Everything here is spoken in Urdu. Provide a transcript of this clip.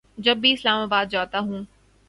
جب بھی اسلام آباد جاتا ہوں